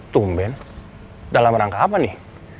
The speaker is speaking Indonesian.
tumben dalam rangka apa nih